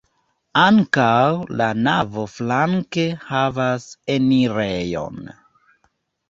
Ankaŭ la navo flanke havas enirejon.